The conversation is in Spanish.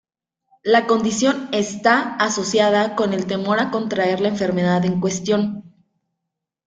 La condición está asociada con el temor a contraer la enfermedad en cuestión.